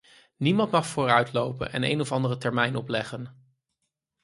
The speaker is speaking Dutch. Niemand mag vooruitlopen en een of andere termijn opleggen.